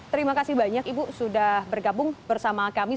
terima kasih banyak ibu sudah bergabung bersama kami